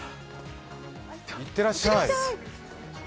いってらっしゃい。